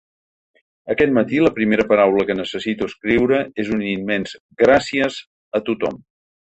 Aquest matí, la primera paraula que necessito escriure és un immens “gràcies” a tothom.